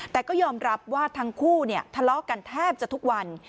แต่ก็ยอมรับว่าทั้งคู่ทะเลาะกันแทบจะทุกวัน